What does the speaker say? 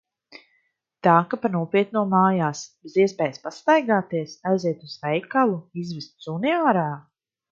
Tā, ka pa nopietno mājās. Bez iespējas pastaigāties, aiziet uz veikalu, izvest suni ārā?